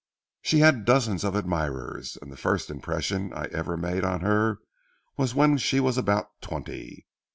"She had dozens of admirers, and the first impression I ever made on her was when she was about twenty.